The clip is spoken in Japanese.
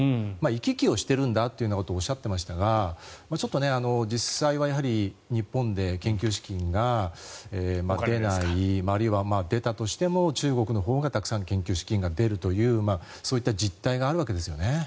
行き来をしているんだということをおっしゃっていましたが実際は日本で研究資金が出ないあるいは出たとしても中国のほうがたくさん研究資金が出るというそういう実態があるわけですね。